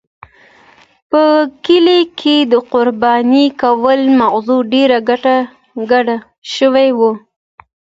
په کلي کې د قربانۍ کولو موضوع ډېره ګډه شوې وه.